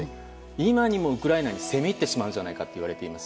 今にもウクライナに攻め入ってしまうんじゃないかといわれています。